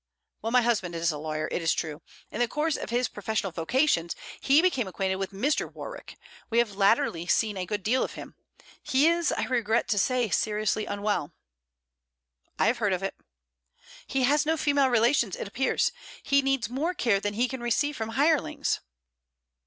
'Well, my husband is a lawyer, it is true. In the course of his professional vocations he became acquainted with Mr. Warwick. We have latterly seen a good deal of him. He is, I regret to say, seriously unwell.' 'I have heard of it.' 'He has no female relations, it appears. He needs more care than he can receive from hirelings.'